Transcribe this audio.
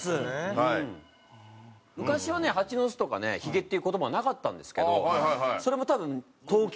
昔はねハチノスとかねヒゲっていう言葉はなかったんですけどそれも多分。